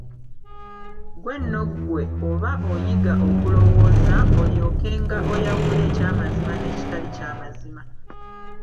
Ggwe nno ggwe oba oyiga okulowooza, olyokenga oyawule ekyamazima n'ekitali kyamazima.